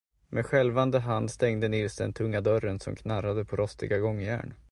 Med skälvande hand stängde Nils den tunga dörren, som knarrade på rostiga gångjärn.